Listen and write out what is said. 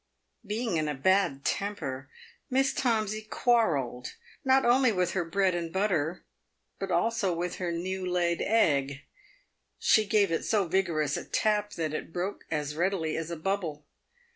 Being in a bad temper, Miss Tomsey quarrelled, not only with her bread and butter, but also with her new laid egg. She gave it so vigorous a tap that it broke as readily as a bubble.